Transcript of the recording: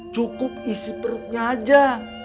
cukup isi perutnya aja